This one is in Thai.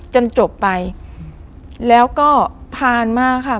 จนจบไปแล้วก็ผ่านมาค่ะ